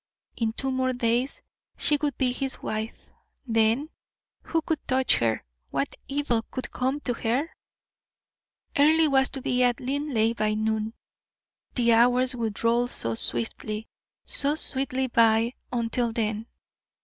In two more days she would be his wife; then, who could touch her, what evil could come to her? Earle was to be at Linleigh by noon. The hours would roll so swiftly, so sweetly by until then.